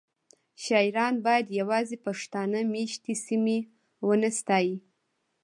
شاعران باید یوازې پښتانه میشتې سیمې ونه ستایي